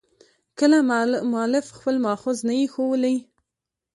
کله مؤلف خپل مأخذ نه يي ښولى.